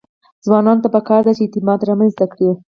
ځوانانو ته پکار ده چې، اعتماد رامنځته کړي.